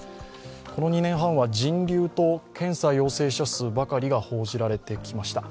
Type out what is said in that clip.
この２年半は人流と検査陽性者数ばかりが報じられてきました。